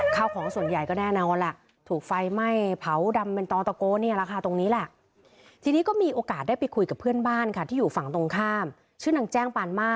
ข้าวของส่วนใหญ่ก็แน่นอนล่ะถูกไฟไหม้เผาดำเป็นตอนตะโก้เนี่ยล่ะค่ะตรงนี้แหละ